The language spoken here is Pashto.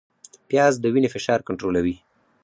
پیاز د وینې فشار کنټرولوي